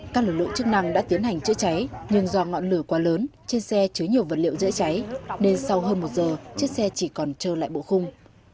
các lực lượng chức năng đã tiến hành chữa cháy nhưng do ngọn lửa quá lớn trên xe chứa nhiều vật liệu dễ cháy nên sau hơn một giờ chiếc xe chỉ còn trơ lại bộ khung